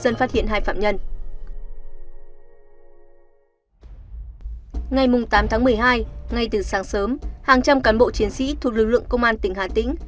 ngày tám tháng một mươi hai ngay từ sáng sớm hàng trăm cán bộ chiến sĩ thuộc lực lượng công an tỉnh hà tĩnh